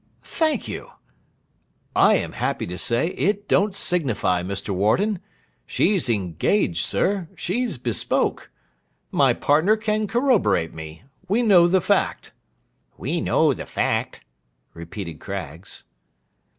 Thank you! I am happy to say it don't signify, Mr. Warden; she's engaged, sir, she's bespoke. My partner can corroborate me. We know the fact.' 'We know the fact,' repeated Craggs.